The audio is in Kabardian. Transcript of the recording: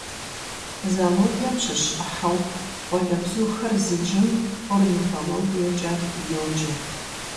Зоологием щыщ Ӏыхьэу къуалэбзухэр зыджым орнитологиекӀэ йоджэ.